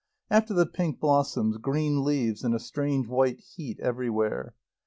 After the pink blossoms, green leaves and a strange white heat everywhere.